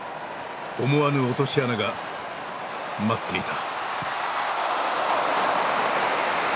思わぬ落とし穴が待っていた。